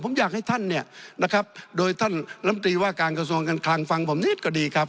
ผมอยากให้ท่านเนี่ยนะครับโดยท่านลำตีว่าการกระทรวงการคลังฟังผมนิดก็ดีครับ